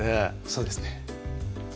そうですね